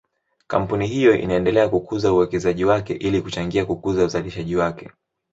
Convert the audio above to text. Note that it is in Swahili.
Kampuni hiyo inaendelea kukuza uwekezaji wake ili kuchangia kukuza uzalishaji wake.